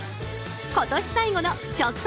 今年最後の直送！